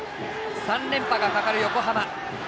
３連覇がかかる横浜。